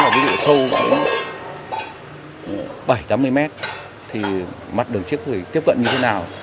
ví dụ sâu bảy tám mươi m thì mặt đường trước thì tiếp cận như thế nào